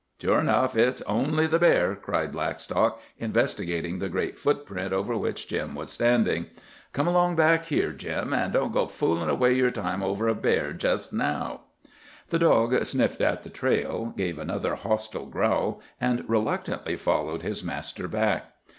"Sure enough. It's only the bear," cried Blackstock, investigating the great footprint over which Jim was standing. "Come along back here, Jim, an' don't go foolin' away yer time over a bear, jest now." The dog sniffed at the trail, gave another hostile growl, and reluctantly followed his master back.